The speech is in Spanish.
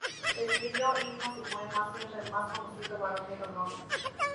Escribió himnos y poemas, siendo el más conocido "Varón de Dolores".